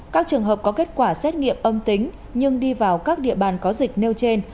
các trường hợp có kết quả xét nghiệm âm tính nhưng đi vào các địa bàn có dịch nêu trên